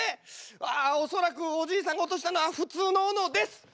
ああ恐らくおじいさんが落としたのは普通の斧です！